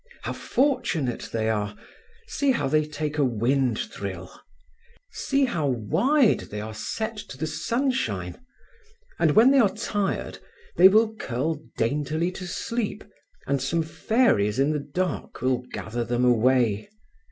How fortunate they are! See how they take a wind thrill! See how wide they are set to the sunshine! And when they are tired, they will curl daintily to sleep, and some fairies in the dark will gather them away.